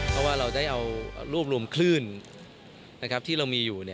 เพราะว่าเราได้เอารูปรวมคลื่นที่เรามีอยู่